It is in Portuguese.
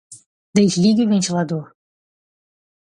Desligue o ventilador